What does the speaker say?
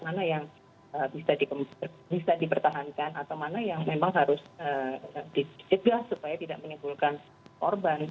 mana yang bisa dipertahankan atau mana yang memang harus dicegah supaya tidak menimbulkan korban